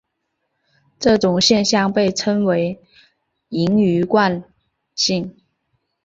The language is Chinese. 这种现象被称为盈余惯性。